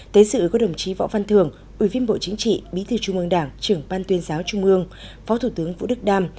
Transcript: tới sự của đồng chí võ văn thường ủy viên bộ chính trị bí thư trung ương đảng trưởng ban tuyên giáo trung ương phó thủ tướng vũ đức đam